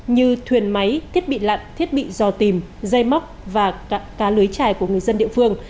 như thuyền máy thiết bị lặn thiết bị dò tìm dây móc và cá lưới trài của người dân địa phương